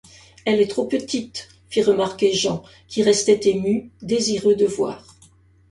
Elle est trop petite, fit remarquer Jean, qui restait ému, désireux de voir.